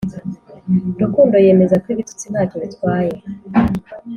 rukundo yemeza ko ibitutsi nta cyo bitwaye,